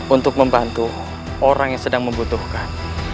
untuk membantu orang yang sedang membutuhkan